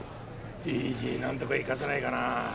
ＤＧなんとか生かせないかな？